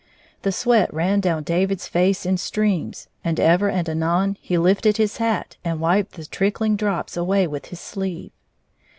The sweat ran down David's face in streams, and ever and anon he lifted his hat and wiped the trickhng drops away with his sleeve.